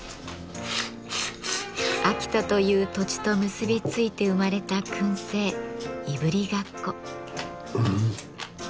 秋田という土地と結び付いて生まれた燻製いぶりがっこ。